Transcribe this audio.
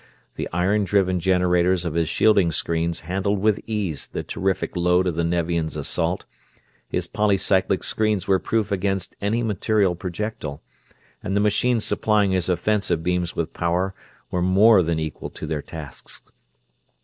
The iron driven generators of his shielding screens handled with ease the terrific load of the Nevians' assault, his polycyclic screens were proof against any material projectile, and the machines supplying his offensive beams with power were more than equal to their tasks.